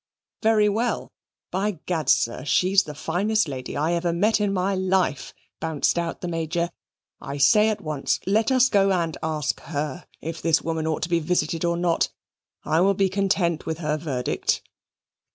"Very well? By Gad, sir, she's the finest lady I ever met in my life," bounced out the Major. "I say at once, let us go and ask her if this woman ought to be visited or not I will be content with her verdict."